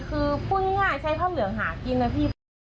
คือพูดง่ายใช้ข้าวเหลืองหากินนะพี่